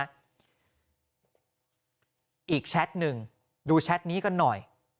อีกแชทหนึ่งดูแชทนี้กันหน่อย